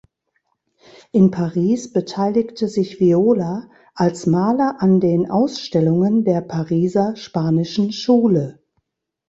In Paris beteiligte sich Viola als Maler an den Ausstellungen der „Pariser spanischen Schule“.